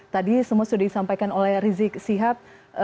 tadi semua sudah disampaikan oleh rizik sihab